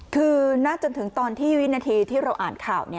คือณจนถึงตอนที่วินาทีที่เราอ่านข่าว